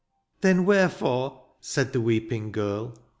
'' "Then wherefore," said the weeping girl.